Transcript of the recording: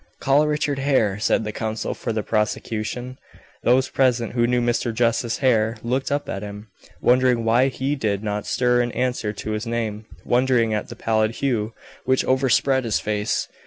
"Call Richard Hare" said the counsel for the prosecution. Those present who knew Mr. Justice Hare, looked up at him, wondering why he did not stir in answer to his name wondering at the pallid hue which overspread his face.